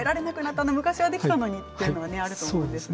昔はできたのに、というのあると思うんです。